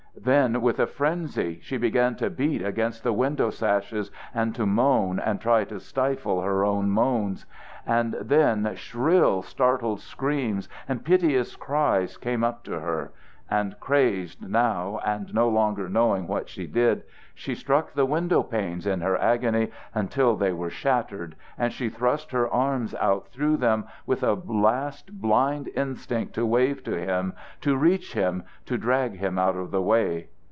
Then with frenzy she began to beat against the window sashes and to moan and try to stifle her own moans. And then shrill startled screams and piteous cries came up to her, and crazed now and no longer knowing what she did, she struck the window panes in her agony until they were shattered and she thrust her arms out through them with a last blind instinct to wave to him, to reach him, to drag him out of the way.